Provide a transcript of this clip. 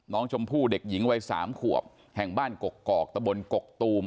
น้องชมพู่เด็กหญิงวัย๓ขวบแห่งบ้านกกอกตะบนกกตูม